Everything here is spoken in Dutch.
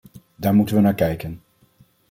Daar moeten we naar kijken.